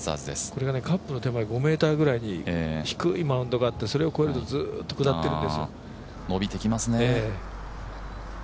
これがカップの手前５ｍぐらいで低いマウンドがあってそれを越えると、ずっと下ってるんですよ。